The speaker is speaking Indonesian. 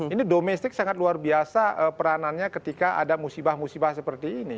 ini domestik sangat luar biasa peranannya ketika ada musibah musibah seperti ini